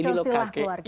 ini loh kakek